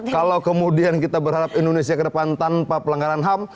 kalau kemudian kita berharap indonesia ke depan tanpa pelanggaran ham